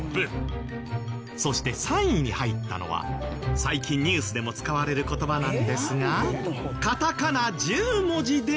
そして３位に入ったのは最近ニュースでも使われる言葉なんですがカタカナ１０文字で何？